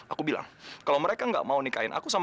aku bilang kalau mereka nggak mau nikahin aku sama kamu